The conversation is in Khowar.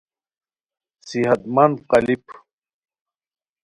صحت مند قالیپ